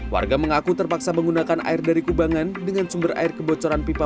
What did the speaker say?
warga mengaku terpaksa menggunakan air dari kubangan dengan sumber air kebocoran pipa